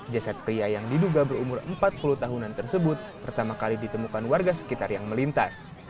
jasad pria yang diduga berumur empat puluh tahunan tersebut pertama kali ditemukan warga sekitar yang melintas